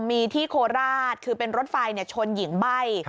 มีที่โคราชคือเป็นรถไฟชนหญิงใบ้